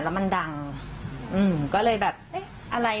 แล้วมันดังอืมก็เลยแบบเอ๊ะอะไร